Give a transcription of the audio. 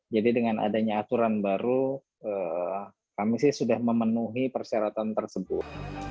jadi dengan adanya aturan baru kami sih sudah memenuhi persyaratan tersebut